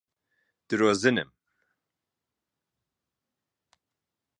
درۆزنم.